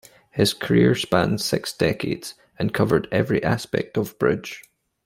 His career spanned six decades and covered every aspect of bridge.